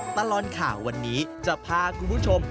ตลอดข่าววันนี้จะพาคุณผู้ชม